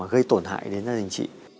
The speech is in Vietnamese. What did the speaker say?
gây tổn hại đến gia đình chị